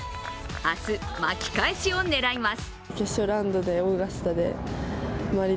明日、巻き返しを狙います。